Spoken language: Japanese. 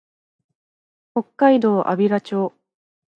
北海道安平町